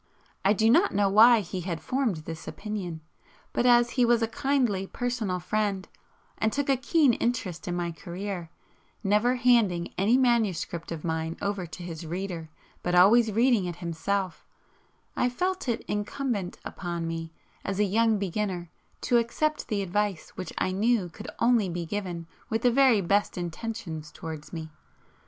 I do not know why he had formed this opinion, but as he was a kindly personal friend, and took a keen interest in my career, never handing any manuscript of mine over to his 'reader,' but always reading it himself, I felt it incumbent upon me, as a young beginner, to accept the advice which I knew could only be given with the very best intentions towards me.